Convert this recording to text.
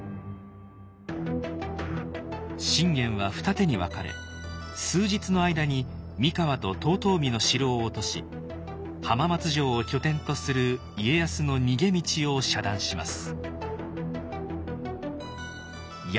信玄は二手に分かれ数日の間に三河と遠江の城を落とし浜松城を拠点とする家康の逃げ道を遮断します。